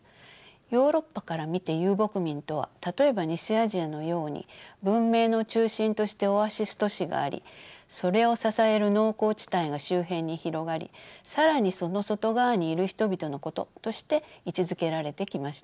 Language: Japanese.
ヨーロッパから見て遊牧民とは例えば西アジアのように文明の中心としてオアシス都市がありそれを支える農耕地帯が周辺に広がり更にその外側にいる人々のこととして位置づけられてきました。